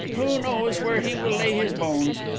Who knows where he will lay his bones?